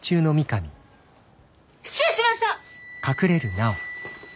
失礼しました！